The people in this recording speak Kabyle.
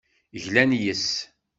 Glan yes-s.